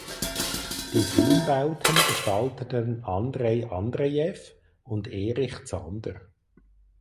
Die Filmbauten gestalteten Andrej Andrejew und Erich Zander.